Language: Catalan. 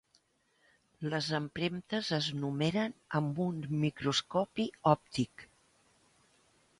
Les empremtes es numeren amb un microscopi òptic.